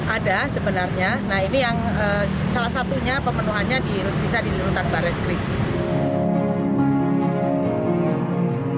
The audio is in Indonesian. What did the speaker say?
ada sebenarnya nah ini yang salah satunya pemenuhannya bisa di lutan barat stream